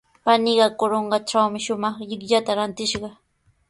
Paniiqa Corongotrawmi shumaq llikllata rantishqa.